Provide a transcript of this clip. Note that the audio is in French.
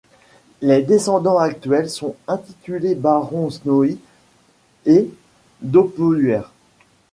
Les descendants actuels sont intitulés barons Snoy et d'Oppuers.